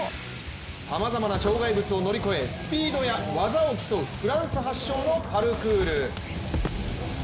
さまざまな障害物を乗り越え、スピードや技を競うフランス発祥のパルクール。